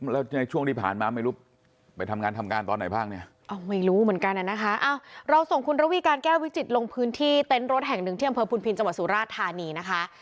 แล้วในช่วงที่ผ่านมาไม่รู้ไปทำงานทำการตอนไหนบ้างเนี่ยไม่รู้เหมือนกันน่ะนะคะ